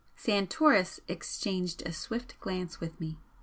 Santoris exchanged a swift glance with me.